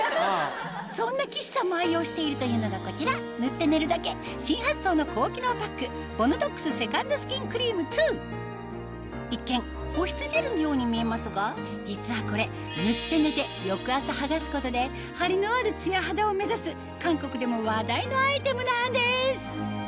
そんな岸さんも愛用しているというのがこちら塗って寝るだけ一見実はこれ塗って寝て翌朝剥がすことでハリのあるツヤ肌を目指す韓国でも話題のアイテムなんです！